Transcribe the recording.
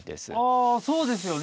あそうですよね。